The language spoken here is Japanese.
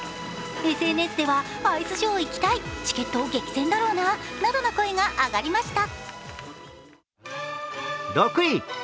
ＳＮＳではアイスショー行きたい、ちけっと激戦だろうななどの声が上がりました。